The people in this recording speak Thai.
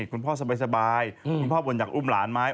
คุณพ่อสบายคุณพ่อบ่นอยากอุ้มหลานไหม